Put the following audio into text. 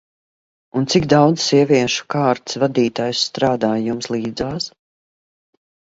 Un cik daudz sieviešu kārtas vadītājas strādā jums līdzās?